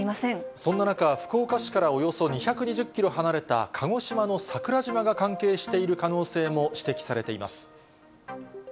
そんな中、福岡市からおよそ２２０キロ離れた鹿児島の桜島が関係している可能性も指摘されています。